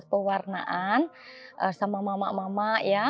ini adalah perwarnaan sama mama mama